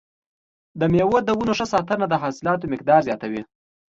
د مېوو د ونو ښه ساتنه د حاصلاتو مقدار زیاتوي.